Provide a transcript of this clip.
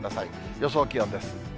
予想気温です。